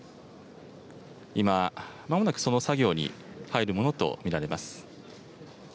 今、まもなくその作業に入るものと見られます。